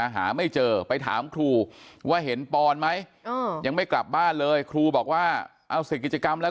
หาไม่เจอไปถามครูว่าเห็นปอนไหมยังไม่กลับบ้านเลยครูบอกว่าเอาเสร็จกิจกรรมแล้ว